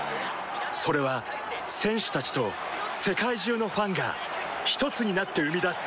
それは選手たちと世界中のファンがひとつになって生み出す